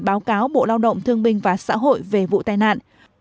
báo cáo bộ lao động thương binh và xã hội về vụ tai nạn